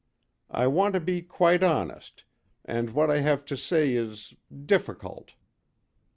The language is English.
I want to be quite honest, and what I have to say is difficult.